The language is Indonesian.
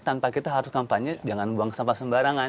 tanpa kita harus kampanye jangan buang sampah sembarangan